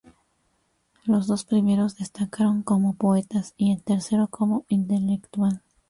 Los dos primeros destacaron como poetas y el tercero como intelectual.